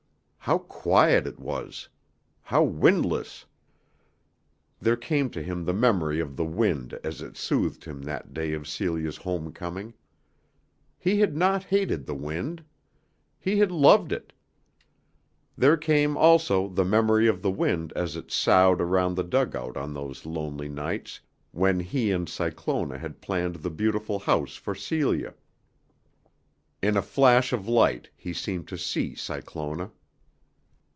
How quiet it was! How windless. There came to him the memory of the wind as it soothed him that day of Celia's home coming. He had not hated the wind. He had loved it. There came also the memory of the wind as it soughed around the dugout on those lonely nights, when he and Cyclona had planned the beautiful house for Celia. In a flash of light he seemed to see Cyclona.